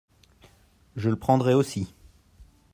Je le prendrai aussi.